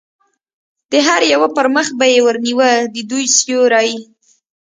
د هر یوه پر مخ به یې ور نیوه، د دوی سیوری.